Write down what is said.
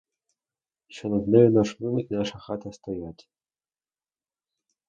Що над нею наш млин і наша хата стоять.